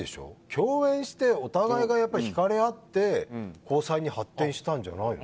共演して、お互いが引かれ合って交際に発展したんじゃないの？